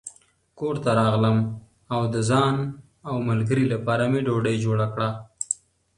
کور ته راغلم او د ځان او ملګري لپاره مې ډوډۍ جوړه کړه.